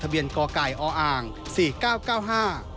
ทะเบียนกกออสี่เก้าเก้าห้า